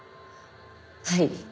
はい。